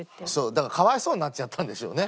だからかわいそうになっちゃったんでしょうね。